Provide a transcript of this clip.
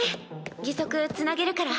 義足つなげるから。